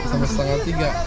sampai setengah tiga